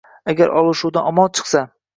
agar olishuvdan omon chiqsa